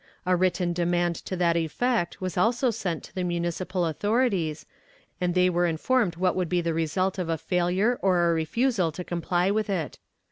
A written demand to that effect was also sent to the municipal authorities, and they were informed what would be the result of a failure or a refusal to comply with it.